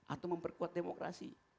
atau memperkuat demokrasi